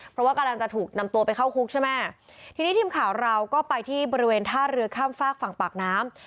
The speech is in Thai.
เพราะว่ากำลังจะถูกนำตัวไปเข้าคุกใช่ไหมทีนี้ทีมข่าวเราก็ไปที่บริเวณท่าเรือข้ามฝากฝั่งปากน้ำ